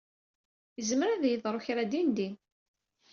Izmer ad d-yeḍru kra dindin.